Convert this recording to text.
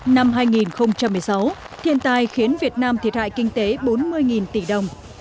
năm hai nghìn một mươi sáu thiên tai khiến việt nam thiệt hại kinh tế bốn mươi tỷ đồng